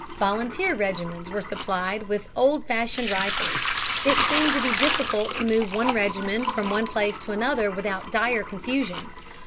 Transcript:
Volunteer regiments were supplied with old fashioned rifles. It seemed to be difficult to move one regiment from one place to another without dire confusion.